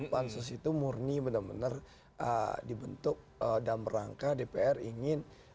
pansus itu murni benar benar dibentuk dan berangka dpr ingin menyebabkan